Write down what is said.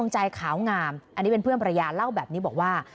ใจขาวงามอันนี้เป็นเพื่อนภรรยาเล่าแบบนี้บอกว่า